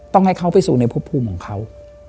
ต้องให้เขาไปสู่ในพบภูมิของเขา